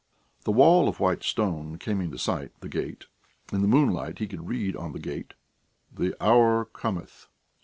The wall of white stone came into sight, the gate.... In the moonlight he could read on the gate: "The hour cometh."